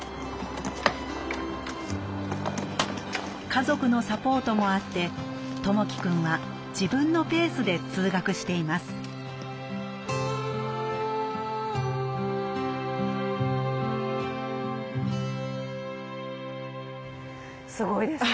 家族のサポートもあって友輝くんは自分のペースで通学していますすごいです。